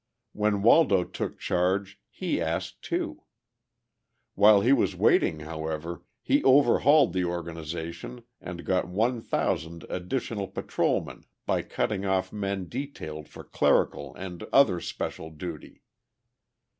When Waldo took charge he asked, too. While he was waiting, however, he overhauled the organization and got one thousand additional patrolmen by cutting off men detailed for clerical and other special duty.